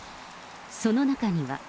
その中には。